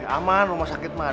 aman rumah sakit mah